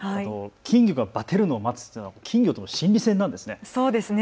金魚がバテるのを待つというのは金魚との心理戦なんですね。